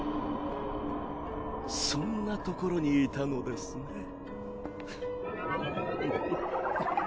そんなところにいたのですね。